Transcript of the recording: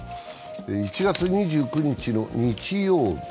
１月２９日の日曜日。